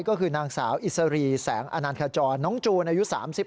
ก็คือนางสาวอิสรีแสงอนันขจรน้องจูนอายุ๓๘